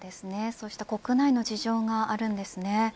そうした国内の事情があるのですね。